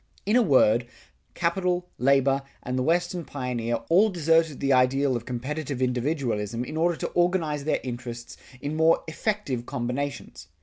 In a word, capital, labor, and the Western pioneer, all deserted the ideal of competitive individualism in order to organize their interests in more effective combinations.